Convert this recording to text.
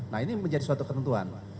nah ini menjadi suatu ketentuan